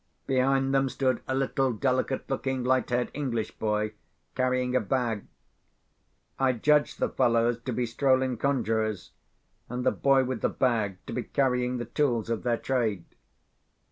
Behind them stood a little delicate looking light haired English boy carrying a bag. I judged the fellows to be strolling conjurors, and the boy with the bag to be carrying the tools of their trade.